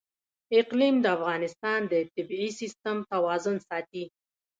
اقلیم د افغانستان د طبعي سیسټم توازن ساتي.